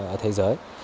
ở thế giới